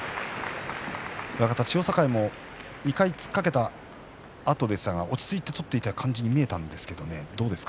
千代栄も２回突っかけたあとでしたが落ち着いて取っていたように見えましたね。